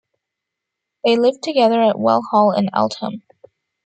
They lived together at Well Hall in Eltham.